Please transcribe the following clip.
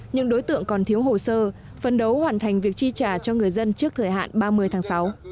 những đối tượng còn thiếu hồ sơ phân đấu hoàn thành việc chi trả cho người dân trước thời hạn ba mươi tháng sáu